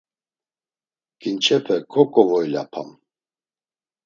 Ǩinçepe koǩovoilapam.